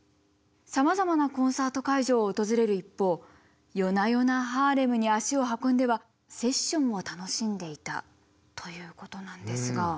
さまざまなコンサート会場を訪れる一方夜な夜なハーレムに足を運んではセッションを楽しんでいたということなんですが。